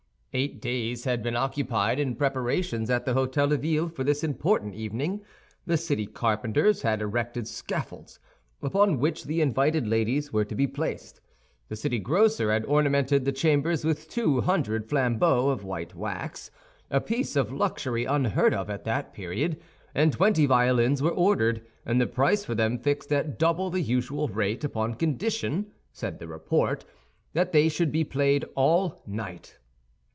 Eight days had been occupied in preparations at the Hôtel de Ville for this important evening. The city carpenters had erected scaffolds upon which the invited ladies were to be placed; the city grocer had ornamented the chambers with two hundred flambeaux of white wax, a piece of luxury unheard of at that period; and twenty violins were ordered, and the price for them fixed at double the usual rate, upon condition, said the report, that they should be played all night.